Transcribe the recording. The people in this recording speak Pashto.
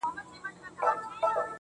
په حدیث کي د منافقت اساسي نښي بلل سوي دي